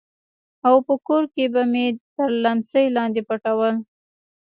او په کور کښې به مې تر ليمڅي لاندې پټول.